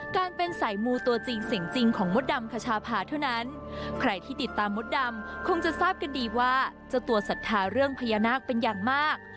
คงจะทราบกันดีว่าจะตรวจศรัทธาเรื่องพญานาคเป็นอย่างมาก